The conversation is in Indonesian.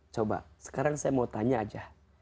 coba sekarang saya mau tanya aja